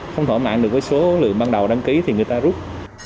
không thỏa mãn được với số lượng ban đầu đăng ký thì người ta rút